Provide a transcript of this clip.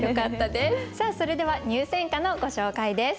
さあそれでは入選歌のご紹介です。